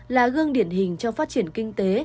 là gương điển hình cho phát triển kinh tế